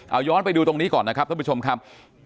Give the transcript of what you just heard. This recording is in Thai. เอาย้อนไปดูตรงนี้ก่อนนะครับท่านผู้ชมครับ